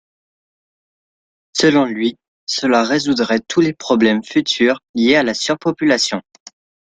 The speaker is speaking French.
Selon lui, cela résoudrait tous les problèmes futurs liés à la surpopulation.